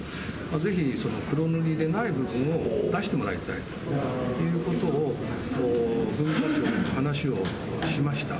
ぜひ、その黒塗りでない部分を出してもらいたいということを文化庁に話をしました。